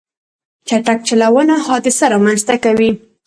چټک چلوونه حادثه رامنځته کوي.